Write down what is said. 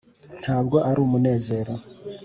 ntabwo ari umunezero,